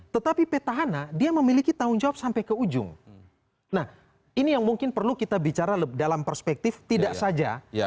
tetapi petahana dia memiliki tanggung jawab sampai ke ujung nah ini yang mungkin perlu kita bicara dalam perspektif tidak saja